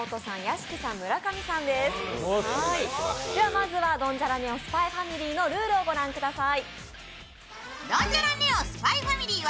まずは「ドンジャラＮＥＯＳＰＹ×ＦＡＭＩＬＹ」のルールをご覧ください。